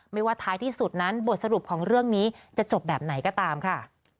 ว่าท้ายที่สุดนั้นบทสรุปของเรื่องนี้จะจบแบบไหนก็ตามค่ะ